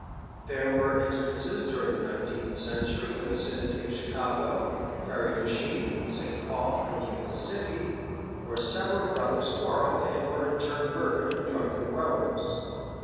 There were instances during the nineteenth century in the vicinity of Chicago, Prairie du Chien, Saint Paul, and Kansas City, where several brothers quarrelled and were in turn murdered in drunken rows.